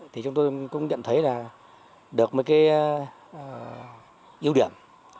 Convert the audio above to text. thì chúng tôi cũng nhận thấy là được mấy cái ưu điểm